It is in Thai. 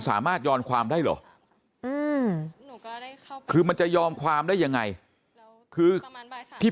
สามารถยอมความได้เหรอคือมันจะยอมความได้ยังไงคือที่